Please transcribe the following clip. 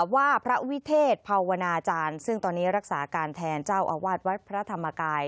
ว่าพระวิเทศภาวนาจารย์ซึ่งตอนนี้รักษาการแทนเจ้าอาวาสวัดพระธรรมกาย